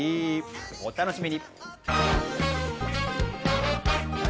お楽しみに。